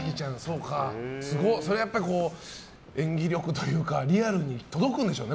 それは、やっぱり演技力というかリアルに届くんでしょうね。